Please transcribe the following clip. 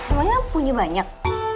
emangnya punya banyak